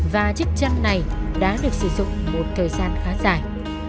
và chiếc chăn này đã được sử dụng một thời gian khá dài